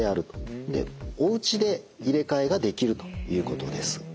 でおうちで入れ替えができるということです。